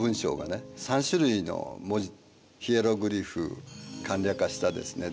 ３種類のヒエログリフ簡略化したですね